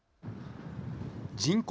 人口